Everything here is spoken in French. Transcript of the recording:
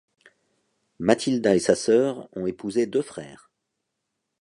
Mathilda et sa sœur ont épousé deux frères.